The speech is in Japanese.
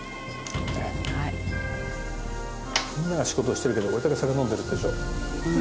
みんなが仕事してるけど俺だけ酒飲んでるでしょ。